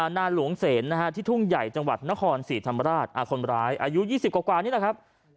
นาหลวงเสนที่ทุ่งใหญ่จังหวัดนครศรีธรรมราชคนร้ายอายุ๒๐กว่านี่แหละครับ